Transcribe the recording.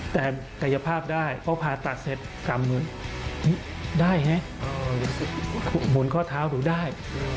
แต่กายภาพได้เพราะผ่าตัดเสร็จกรรมเหมือนได้ฮะหมุนข้อเท้าหนูได้